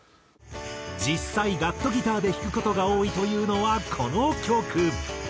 実際ガットギターで弾く事が多いというのはこの曲。